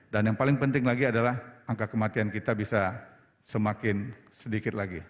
dan yang paling penting lagi adalah angka kematian kita bisa semakin sedikit lagi